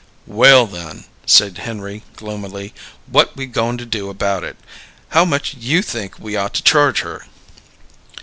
"Well, then," said Henry gloomily, "what we goin' to do about it? How much you think we ought to charge her?"